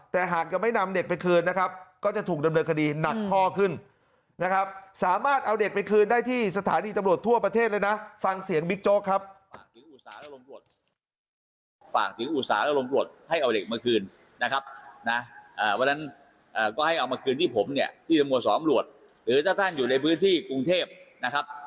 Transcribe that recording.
แต่หากจะไม่นำเด็กไปคืนนะครับก็จะถูกดำเนินคดีหนักข้อขึ้นนะครับสามารถเอาเด็กไปคืนได้ที่สถานีตำรวจทั่วประเทศเลยนะฟังเสียงบิ๊กโจ๊กครับ